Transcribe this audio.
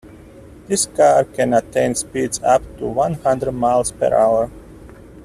This car can attain speeds up to one hundred miles per hour.